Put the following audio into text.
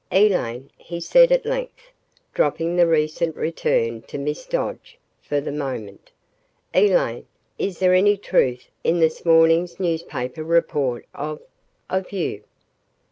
"Elaine," he said at length, dropping the recent return to "Miss Dodge," for the moment, "Elaine, is there any truth in this morning's newspaper report of of you?"